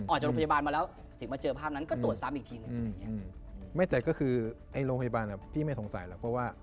ออกจากโรงพยาบาลมาแล้ว